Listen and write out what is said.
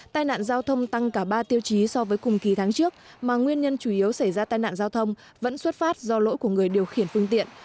tai nạn giao thông tăng cả ba tiêu chí so với cùng kỳ tháng trước mà nguyên nhân chủ yếu xảy ra tai nạn giao thông vẫn xuất phát do lỗi của người điều khiển phương tiện